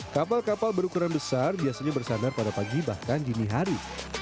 kapal kapal berukuran besar biasanya bersandar pada pagi bahkan dini hari